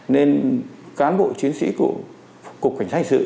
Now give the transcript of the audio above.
nên cán bộ chiến sĩ của cục cảnh sát hành sự